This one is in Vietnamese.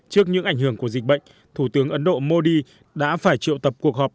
trước những ảnh hưởng của dịch bệnh thủ tướng ấn độ modi đã phải triệu tập cuộc họp